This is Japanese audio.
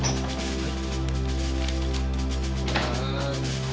はい！